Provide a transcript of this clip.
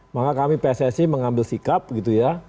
maka kami pssi mengambil sikap gitu ya